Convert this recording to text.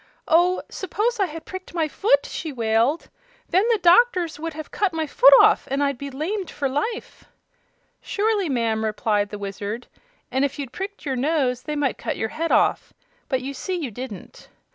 "Oh, suppose I had pricked my foot!" she wailed. "Then the doctors would have cut my foot off, and I'd be lamed for life!" "Surely, ma'am," replied the Wizard, "and if you'd pricked your nose they might cut your head off. But you see you didn't."